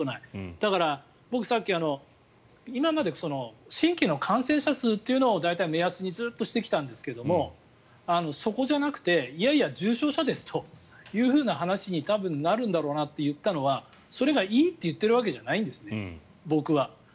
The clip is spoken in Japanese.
だから、僕さっき今まで新規の感染者数というのを大体、目安にずっとしてきたんですけどもそこじゃなくていやいや、重症者ですという話に多分なるんだろうなと言ったのはそれがいいって言ってるわけじゃないんですね、僕は。